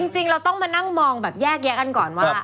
จริงเราต้องมาข้างล่างแยกกันก่อน